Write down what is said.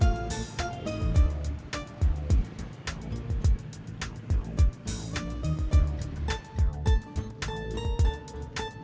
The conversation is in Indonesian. iih rp empat ratus ya